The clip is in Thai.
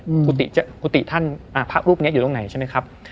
กุฏิจะกุฏิท่านอ่าพระรูปเนี้ยอยู่ตรงไหนใช่ไหมครับ